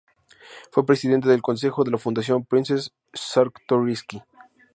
Fue presidente del consejo de la Fundación Princes Czartoryski.